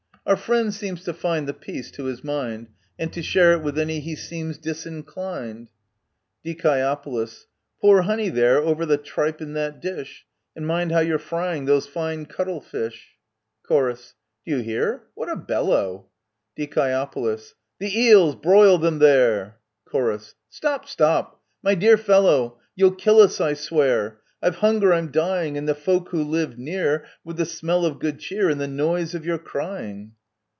Our friend seems to find the peace to his mind, And to share it with any he seems disinclined ! Die. Pour honey, there, over the tripe in that dish ! And mind how you're frying those fine cuttle fish ! Chor. Do you hear ? What a bellow ! Die. The eels ! Broil them there ! Chor. Stop ! Stop ! my dear fellow ! You'll kill us, I swear ! Of hunger I'm dying, And the folk who live near, With the smell of good cheer And the noise of your crying